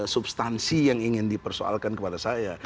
substansi yang ingin dipersoalkan kepada saya